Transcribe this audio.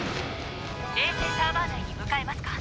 衛星サーバー内に向かえますか？